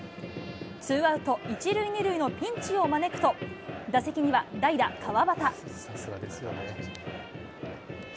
ツーアウト１塁２塁のピンチを招くと、打席には代打、川端。